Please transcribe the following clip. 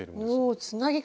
おつなぎ方？